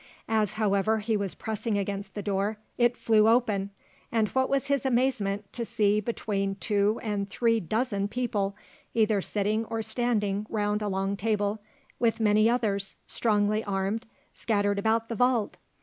As, however, he was pressing against the door, it flew open, and what was his amazement to see between two and three dozen people, either sitting or standing round a long table, with many others, strongly armed, scattered about the vault!